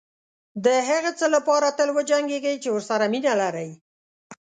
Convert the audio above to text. دهغه څه لپاره تل وجنګېږئ چې ورسره مینه لرئ.